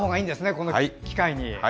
この機会に。